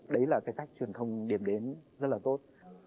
đấy là cái cách truyền thông điểm đến rất là tốt